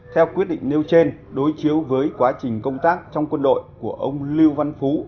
theo quyết định nêu trên đối chiếu với quá trình công tác trong quân đội của ông lưu văn phú